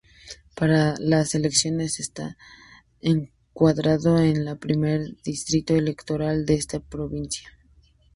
Para las elecciones está encuadrado en el Primer Distrito Electoral de esta provincia.